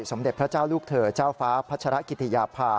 สมเด็จพระเจ้าลูกเธอเจ้าฟ้าพัชรกิติยาภา